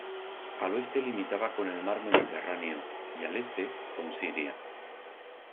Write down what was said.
Al oeste limitaba con el mar Mediterráneo y al este con Siria.